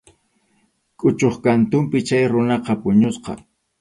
Quchap kantunpi chay runaqa puñusqa.